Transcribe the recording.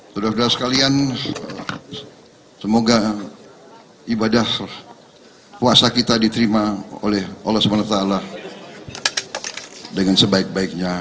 saudara saudara sekalian semoga ibadah puasa kita diterima oleh allah swt dengan sebaik baiknya